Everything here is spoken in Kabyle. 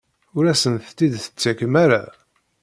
Ur asent-tt-id-tettakem ara?